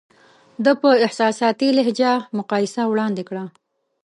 ده په احساساتي لهجه مقایسه وړاندې کړه.